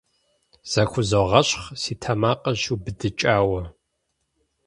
Захузогъэщхъ, си тэмакъыр щиубыдыкӀауэ.